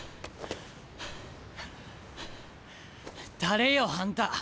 誰よあんた。